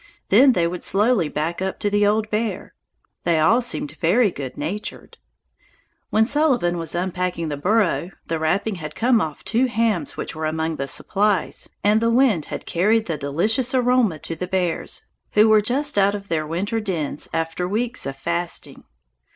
Then they would slowly back up to the old bear. They all seemed very good natured. When Sullivan was unpacking the burro, the wrapping had come off two hams which were among the supplies, and the wind had carried the delicious aroma to the bears, who were just out of their winter dens after weeks of fasting.